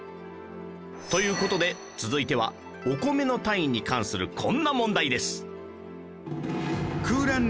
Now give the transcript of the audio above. という事で続いてはお米の単位に関するこんな問題です